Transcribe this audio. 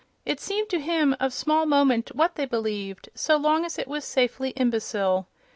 It seemed to him of small moment what they believed, so long as it was safely imbecile.